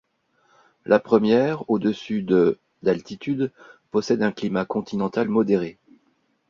La première, au-dessous de d'altitude, possède un climat continental modéré.